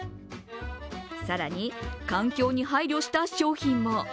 更に環境に配慮した商品も。